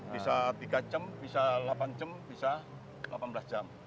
bisa tiga jam bisa delapan jam bisa delapan belas jam